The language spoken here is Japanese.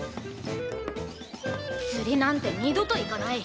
釣りなんて二度と行かない。